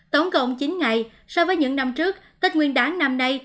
tổng cộng chín ngày so với những năm trước tết nguyên đáng năm nay